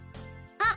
あっ！